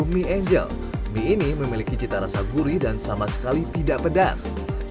mie angel mie ini memiliki cita rasa gurih dan sama sekali tidak pedas